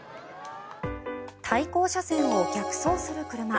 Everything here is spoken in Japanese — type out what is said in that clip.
対向車線を逆走する車。